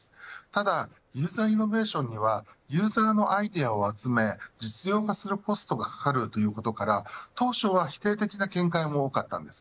ただユーザーイノベーションにはユーザーのアイデアを集め実用化するコストがかかるということから当初は否定的な見解も多かったんです。